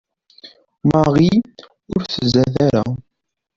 Marie ur tzad ara.